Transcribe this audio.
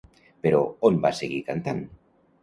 Però, on va seguir cantant?